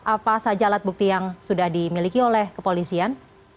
apa saja alat bukti yang sudah dimiliki oleh kepolisian